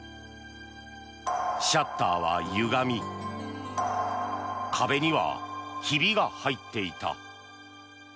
シャッターはゆがみ壁にはひびが入っていた。